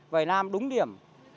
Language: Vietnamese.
vậy là đúng điểm